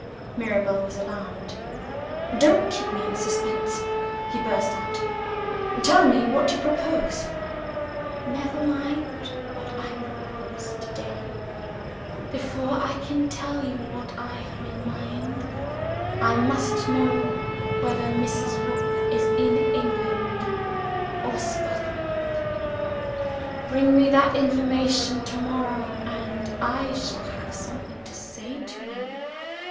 Mirabel was alarmed. "Don't keep me in suspense," he burst out. "Tell me what you propose." "Never mind what I propose, to night. Before I can tell you what I have in my mind, I must know whether Mrs. Rook is in England or Scotland. Bring me that information to morrow, and I shall have something to say to you.